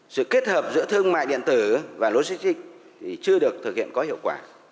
sự kết hợp giữa thương mại điện tử và logistics thì chưa được thực hiện có hiệu quả